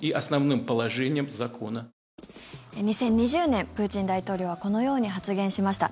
２０２０年プーチン大統領はこのように発言しました。